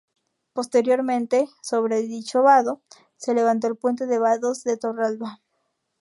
Posteriormente, sobre dicho vado, se levantó el puente de Vados de Torralba.